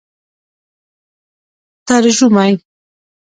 ترژومۍ